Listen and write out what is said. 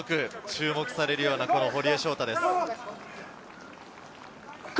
一挙手一投足、注目されるような堀江翔太です。